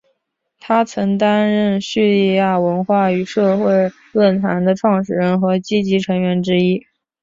他曾担任叙利亚文化与社会论坛的创始人和积极成员之一。